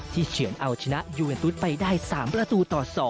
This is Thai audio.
เฉือนเอาชนะยูเอ็นตุ๊ดไปได้๓ประตูต่อ๒